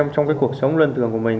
trong cái cuộc sống lân tưởng của mình